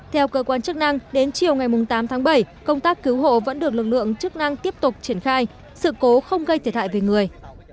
theo cơ quan chức năng đến chiều ngày tám tháng bảy công tác cứu hộ vẫn được lực lượng chức năng tiếp tục triển khai sự cố không gây thiệt hại về người